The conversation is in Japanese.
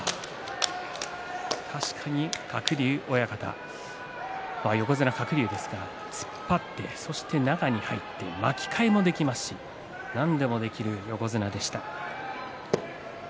確かに、鶴竜親方横綱鶴竜ですが突っ張って中に入って巻き替えもできますし何でもできる横綱でした。